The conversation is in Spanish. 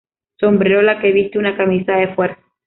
Sombrero la que viste una camisa de fuerza.